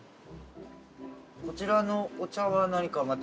◆こちらのお茶は、何かまた。